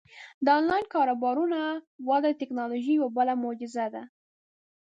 د آنلاین کاروبارونو وده د ټیکنالوژۍ یوه بله معجزه ده.